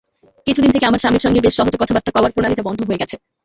কিছুদিন থেকে আমার স্বামীর সঙ্গে বেশ সহজে কথাবার্তা কওয়ার প্রণালীটা বন্ধ হয়ে গেছে।